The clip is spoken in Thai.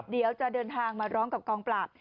เดี๋ยวจะเดินทางมาร้องกับกองปราบ